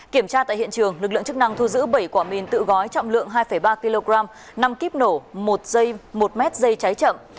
kiểm tra tại hiện trường lực lượng chức năng thu giữ bảy quả mìn tự gói trọng lượng hai ba kg năm kíp nổ một m dây cháy chậm